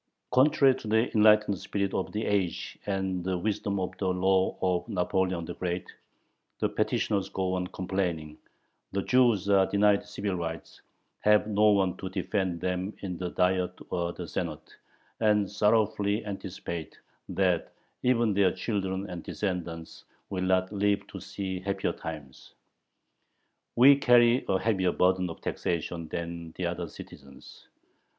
Contrary to the enlightened spirit of the age and "the wisdom of the laws of Napoleon the Great" the petitioners go on complaining the Jews are denied civil rights, have no one to defend them in the Diet or the Senate, and sorrowfully anticipate that even "their children and descendants will not live to see happier times." We carry a heavier burden of taxation than the other citizens.